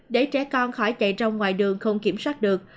để trẻ con khỏi chạy trong ngoài đường không kiểm soát được